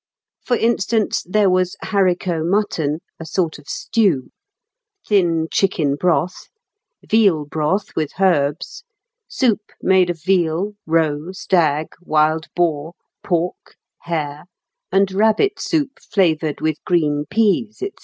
For instance, there was haricot mutton, a sort of stew; thin chicken broth; veal broth with herbs; soup made of veal, roe, stag, wild boar, pork, hare and rabbit soup flavoured with green peas, &c.